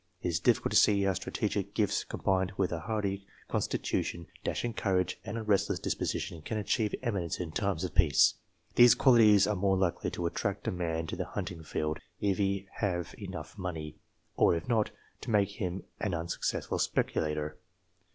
It is difficult to see how strate gical gifts, combined with a hardy constitution, dashing courage, and a restless disposition, can achieve eminence in times of peace. These qualities are more likely to attract a man to the hunting field, if he have enough money ; or if not, to make him an unsuccessful speculator.